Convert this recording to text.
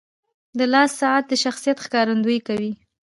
• د لاس ساعت د شخصیت ښکارندویي کوي.